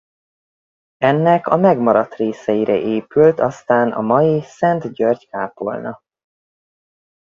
Ennek a megmaradt részeire épült aztán a mai Szent György kápolna.